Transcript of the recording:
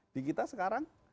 di kita sekarang